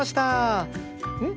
うん？